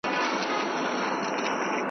دوی تماشې ته ورلره راسي .